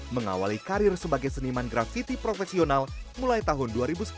mengawali karir sebagai seniman grafiti profesional mulai tahun dua ribu sepuluh